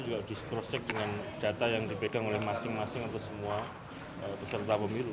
juga di cross check dengan data yang dipegang oleh masing masing atau semua peserta pemilu